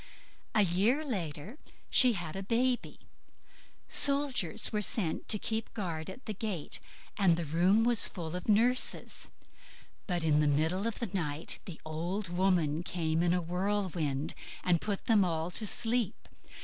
A year after she had a baby. Soldiers were set to keep guard at the gate, and the room was full of nurses; but in the middle of the night the old woman came in a whirlwind and put them all to sleep.